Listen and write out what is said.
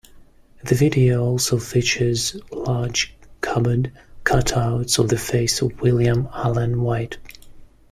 The video also features large cardboard cutouts of the face of William Allen White.